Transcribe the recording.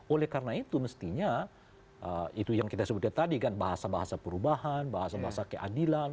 oleh karena itu mestinya itu yang kita sebutkan tadi kan bahasa bahasa perubahan bahasa bahasa keadilan